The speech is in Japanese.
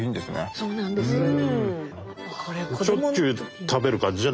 そうなんですよね。